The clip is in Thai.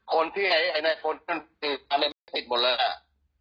คนที่ไอ้นั่นปิ๊บมันมันปิดหมดแล้ว